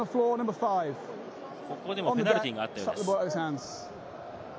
ペナルティーがあったようです。